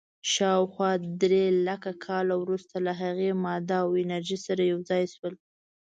شاوخوا درېلکه کاله وروسته له هغې، ماده او انرژي سره یو ځای شول.